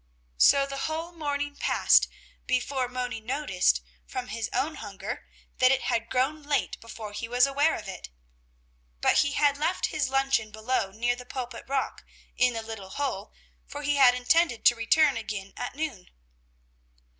So the whole morning passed, before Moni noticed, from his own hunger, that it had grown late before he was aware of it. But he had left his luncheon below near the Pulpit rock, in the little hole, for he had intended to return again at noon.